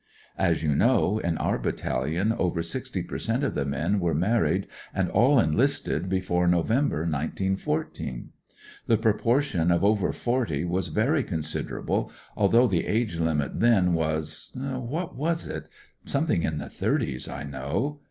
" As you know, in our Battalion over sixty per cent, of the men were married and all enlisted before November, 1914. The proportion x)f over forty was very consider able, although the age limit then was — what was it ?— something in the thirties, I know.